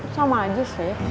sama aja sih